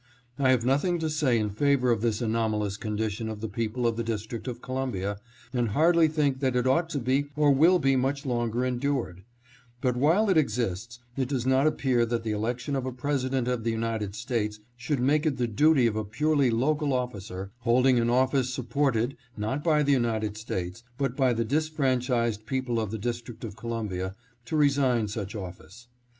I have nothing to say in favor of this anomalous con dition of the people of the District of Columbia, and hardly think that it ought to be or will be much longer endured ; but while it exists it does not appear that the election of a President of the United States should make it the duty of a purely local officer, holding an office supported, not by the United States, but by the disfranchised people of the District of Columbia, to resign such office.